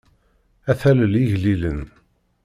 Ad talel igellilen.